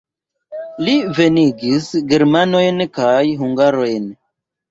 Li venigis germanojn kaj hungarojn.